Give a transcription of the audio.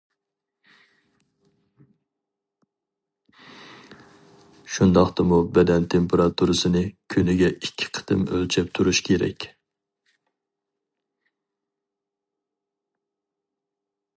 شۇنداقتىمۇ بەدەن تېمپېراتۇرىسىنى كۈنىگە ئىككى قېتىم ئۆلچەپ تۇرۇش كېرەك.